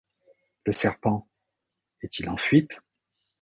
Le serpent… est-il en fuite ?…